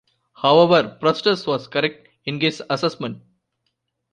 However, Prestes was correct in his assessment.